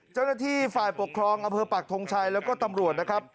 เจ้าหน้าที่ฝ่ายปกครองอำเภอปักทงชัยแล้วก็ตำรวจนะครับ